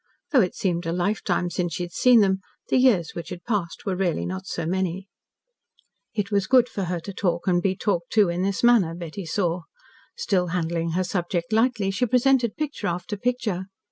Though it seemed a lifetime since she had seen them, the years which had passed were really not so many. It was good for her to talk and be talked to in this manner Betty saw. Still handling her subject lightly, she presented picture after picture.